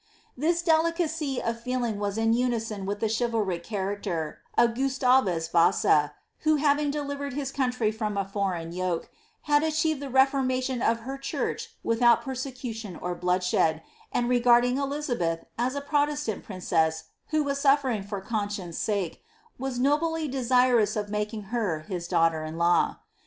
This delicacy of feeling vas in unison with the chivalric character of Gustavus Vasa, who hav ing delivered his country from a foreign yoke, had achieved the refor mation of her church without persecution or blooilshed, and regarding Dizaheth as a protestant princess who was suffering for conscience' tike, was nobly desirous of making her his daughter in law.